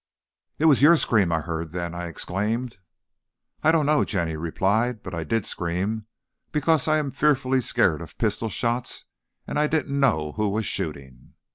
"It was your scream I heard, then!" I exclaimed. "I don't know," Jenny replied, "but I did scream, because I am fearfully scared of pistol shots, and I didn't know who was shooting."